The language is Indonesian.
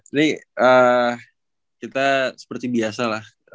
ini kita seperti biasa lah